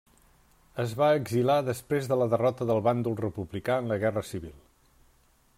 Es va exiliar després de la derrota del bàndol republicà en la Guerra Civil.